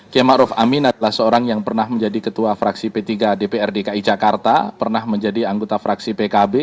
ki ⁇ maruf ⁇ amin adalah seorang yang pernah menjadi ketua fraksi p tiga dpr dki jakarta pernah menjadi anggota fraksi pkb